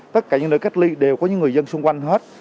tất cả những nơi cách ly đều có những người dân xung quanh hết